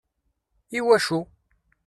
I wacu?